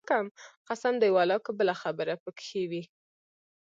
قسم دى ولله که بله خبره پکښې کښې وي.